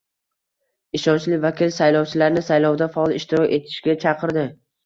Ishonchli vakil saylovchilarni saylovda faol ishtirok etishga chaqirdi